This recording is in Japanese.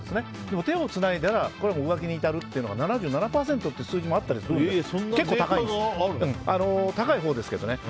手をつないだら浮気に至るというのは７７％という数字もあったりするので結構高いほうですね。